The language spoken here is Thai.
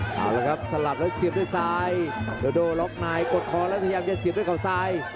เอาละครับสลับแล้วเสียบด้วยซ้ายโดโดล็อกในกดคอแล้วพยายามจะเสียบด้วยเขาซ้าย